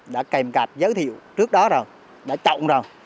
đã kèm cạp giới thiệu trước đó rồi đã trọng rồi